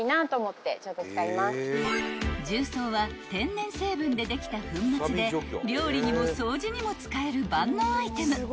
［重曹は天然成分でできた粉末で料理にも掃除にも使える万能アイテム］